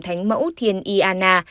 thánh mẫu thiền i a na